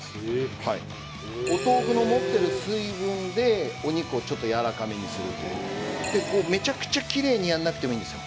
はいお豆腐の持ってる水分でお肉をちょっとやわらかめにするというめちゃくちゃキレイにやんなくてもいいんですよ